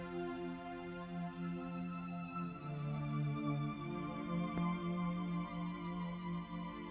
aku sudah berjalan